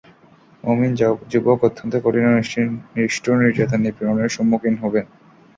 মুমিন যুবক অত্যন্ত কঠিন ও নিষ্ঠুর নির্যাতন-নিপীড়নের সম্মুখীন হলেন।